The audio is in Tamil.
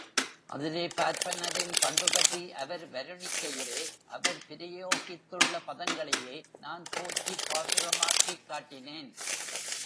அதிலே, பார்ப்பனரின் பண்பு பற்றி அவர் வருணிக்கையிலே, அவர் பிரயோகித்துள்ள பதங்களையே நான் போற்றிப் பாசுரமாக்கிக் காட்டினேன்.